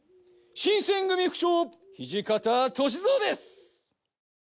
新選組副長土方歳三です！